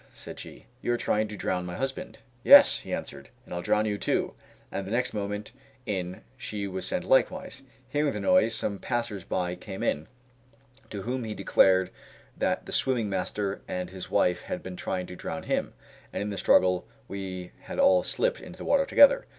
said she, "you are trying to drown my husband." "Yes!" he answered, "and I'll drown you too," and the next moment in she was sent likewise. Hearing the noise, some passers by came in, to whom he declared that the swimming master and his wife had been trying to drown him, and in the struggle we had all slipped into the water together.